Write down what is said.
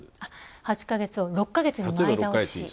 ８か月を６か月に前倒し。